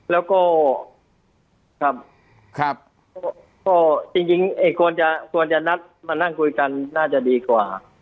แล้วก็ครับก็จริงควรจะควรจะนัดมานั่งคุยกันน่าจะดีกว่า